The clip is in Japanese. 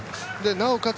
なおかつ